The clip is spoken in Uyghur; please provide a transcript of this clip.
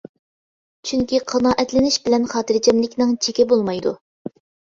چۈنكى قانائەتلىنىش بىلەن خاتىرجەملىكنىڭ چېكى بولمايدۇ.